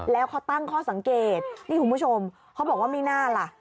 แล้วเขาตั้งข้อสังเกตนี่คุณผู้ชมเขาบอกว่าไม่น่าล่ะ